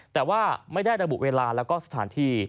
แต่ว่าไม่ได้ระบุเวลาแล้วก็สถานที่